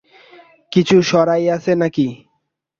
কিছু সরাইয়াছে নাকি?